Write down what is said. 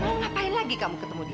mau ngapain lagi kamu ketemu dia